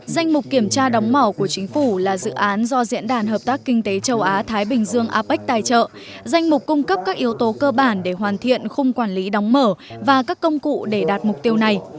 danh mục kiểm tra đóng màu của chính phủ là dự án do diễn đàn hợp tác kinh tế châu á thái bình dương apec tài trợ danh mục cung cấp các yếu tố cơ bản để hoàn thiện khung quản lý đóng mở và các công cụ để đạt mục tiêu này